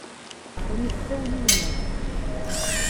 Sami issawel i yemma-s.